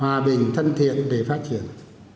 hòa bình thân thiện để phát triển